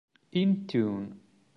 In Tune